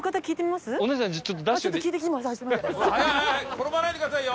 転ばないでくださいよ！